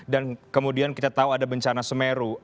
dan kemudian kita tahu ada bencana semeru